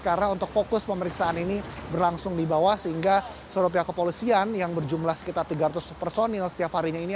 karena untuk fokus pemeriksaan ini berlangsung di bawah sehingga seluruh pihak kepolisian yang berjumlah sekitar tiga ratus personil setiap harinya ini